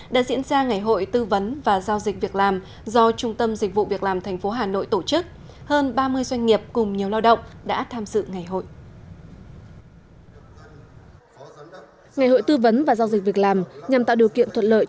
đã diễn ra ngày hội tư vấn và giao dịch việc làm do trung tâm dịch vụ việc làm tp hà nội tổ chức